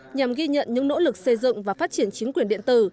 nhằm ghi nhận những nỗ lực xây dựng và phát triển chính quyền điện tử